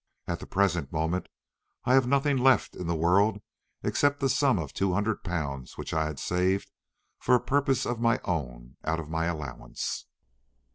At the present moment I have nothing left in the world except the sum of two hundred pounds which I had saved for a purpose of my own out of my allowance.